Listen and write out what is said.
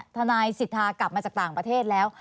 ทนายสิทธากลับมาจากต่างประเทศแล้ว